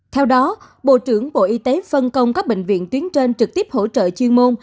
theo đó bộ trưởng bộ y tế phân công các bệnh viện tuyến trên trực tiếp hỗ trợ chuyên môn